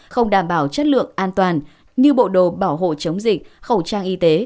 không đảm bảo chất lượng an toàn như bộ đồ bảo hộ chống dịch khẩu trang y tế